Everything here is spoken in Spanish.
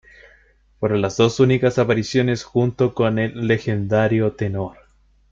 Fueron las dos únicas apariciones junto con el legendario tenor.